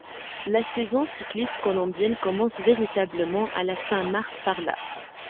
La saison cycliste colombienne commence véritablement à la fin mars par la '.